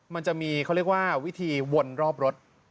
มันจะมีเขาเรียกว่าวิธีวนรอบรถ